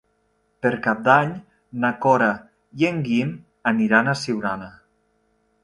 Per Cap d'Any na Cora i en Guim aniran a Siurana.